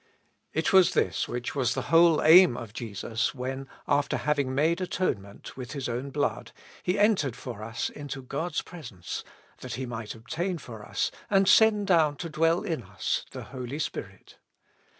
It was this which was the whole aim of Jesus when, after having made atonement with His own blood. He entered for us into God's pres ence, that He might obtain for us, and send down to dwell in us, the Holy Spirit.